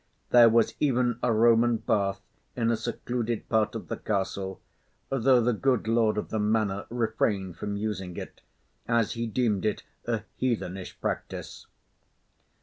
There was even a Roman bath in a secluded part of the castle, though the good lord of the manor refrained from using it, as he deemed it a heathenish practice.